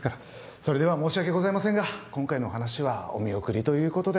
それでは申し訳ございませんが今回の話はお見送りということで。